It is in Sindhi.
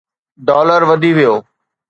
ڊالر وڌي ويو